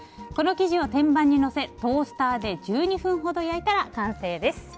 この生地を天板にのせトースターで１２分ほど焼いたら完成です。